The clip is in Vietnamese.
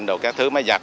đồ các thứ máy giặt